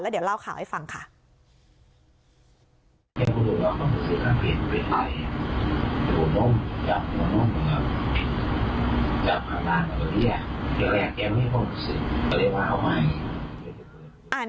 เดี๋ยวเล่าข่าวให้ฟังค่ะ